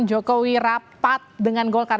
jokowi rapat dengan golkar